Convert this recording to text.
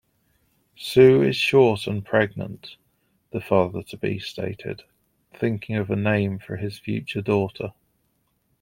"Sue is short and pregnant", the father-to-be stated, thinking of a name for his future daughter.